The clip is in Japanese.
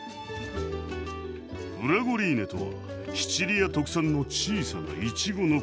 「フラゴリーネ」とはシチリア特産の小さなイチゴのこと。